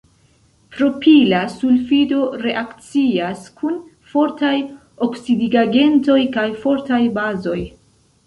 Propila sulfido reakcias kun fortaj oksidigagentoj kaj fortaj bazoj.